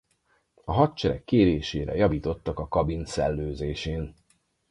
A hadsereg kérésére javítottak a kabin szellőzésén.